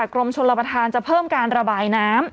กรมชนรับประทานจะเพิ่มการระบายน้ำ